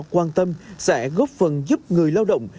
quan tâm sẽ góp phần giúp người lao động